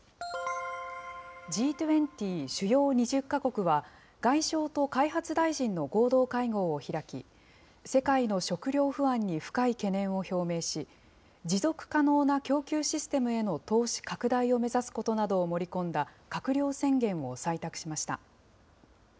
Ｇ２０・主要２０か国は、外相と開発大臣の合同会合を開き、世界の食料不安に深い懸念を表明し、持続可能な供給システムへの投資拡大を目指すことなどを盛り込んだ閣僚宣言を採択しました。